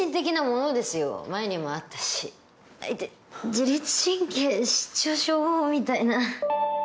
自律神経失調症みたいな。